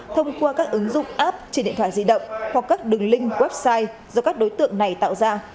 thông qua các ứng dụng app trên điện thoại di động hoặc các đường link website do các đối tượng này tạo ra